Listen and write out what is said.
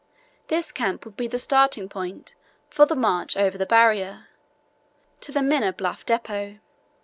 This camp would be the starting point for the march over the Barrier to the Minna Bluff depot.